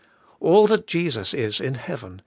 All that Jesus is in heaven.